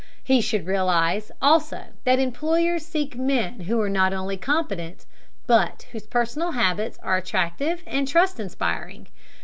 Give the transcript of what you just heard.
He should realize, also, that employers seek men who are not only competent, but whose personal habits are attractive and trust inspiring.